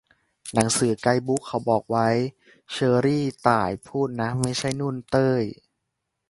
"หนังสือไกด์บุ๊กเขาบอกไว้" เชอรี่ ต่าย พูดนะ ไม่ใช่ นุ่น เต้ย